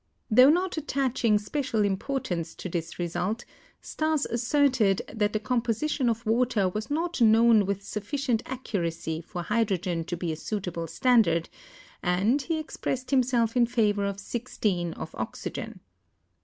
Though not attaching special importance to this result, Stas asserted that the composition of water was not known with suffi cient accuracy for hydrogen to be a suitable standard, and he expressed himself in favor of 16 of oxygen.